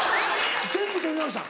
全部撮り直したん？